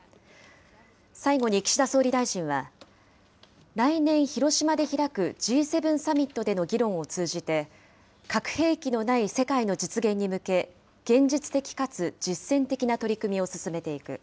最後に岸田総理大臣は、来年、広島で開くＧ７サミットでの議論を通じて、核兵器のない世界の実現に向け、現実的かつ実践的な取り組みを進めていく。